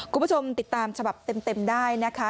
คุณผู้ชมติดตามฉบับเต็มได้นะคะ